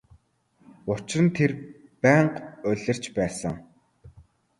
Учир нь тэр байнга улирч байсан.